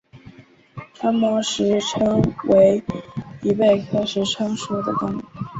叉膜石蛏为贻贝科石蛏属的动物。